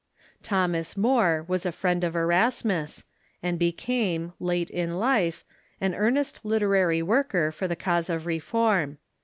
Thomas More was the friend of Erasmus, and became, late in life, an earnest literary worker for the cause of reform.